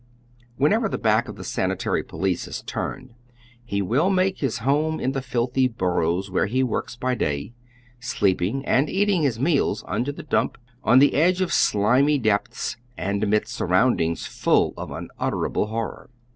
Whenever the Lack of the sanitary police is turned, he will mabe hie home in tbo filtiiy bnrrowa where be works by day, sleeping and eat ing his meals nnder the dump, on the edge of slimy depths and amid snrroundings fnll of unutterable horror.